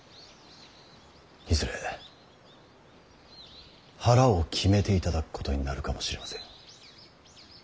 いずれ腹を決めていただくことになるかもしれません。